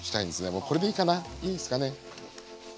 もうこれでいいかないいですかね。